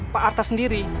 pak arta sendiri